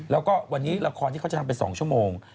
แล้วก็วันนี้ละครที่เขาจะทำเป็น๒ชั่วโมง